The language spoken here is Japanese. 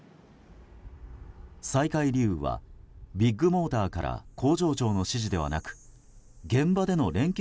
再開理由はビッグモーターから工場長の指示ではなく現場での連携